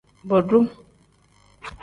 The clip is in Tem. Bodu.